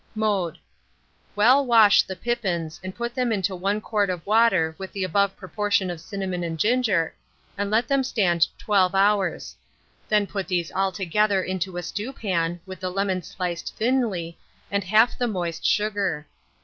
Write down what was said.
Mode. Well wash the pippins, and put them into 1 quart of water with the above proportion of cinnamon and ginger, and let them stand 12 hours; then put these all together into a stewpan, with the lemon sliced thinly, and half the moist sugar.